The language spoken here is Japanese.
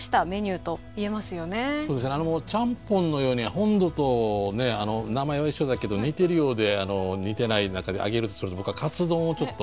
ちゃんぽんのように本土と名前は一緒だけど似てるようで似てない中で挙げるとすると僕はカツ丼をちょっと。